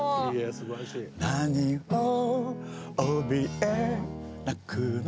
「何をおびえ泣くの」